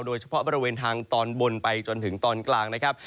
โดยเฉพาะบริเวณทางตอนบนไปจนถึงตอนกลางนะครับ